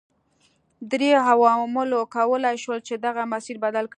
درې عواملو کولای شول چې دغه مسیر بدل کړي.